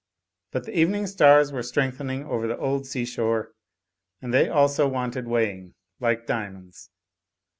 But the evening stars were strengthening over the old sea shore, and they also wanted weighing like dia monds.